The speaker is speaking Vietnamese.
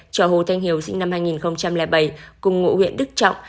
trò hồ thanh hiếu sinh năm hai nghìn bảy cùng ngũ huyện đức trọng